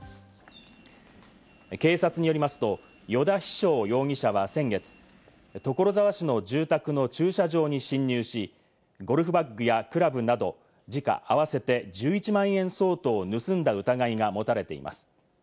警察によりますと、依田飛翔容疑者は先月、所沢市の住宅の駐車場に侵入し、ゴルフバッグやクラブなど、時価合わせて１１万円相当を盗んだ疑いが持たれています。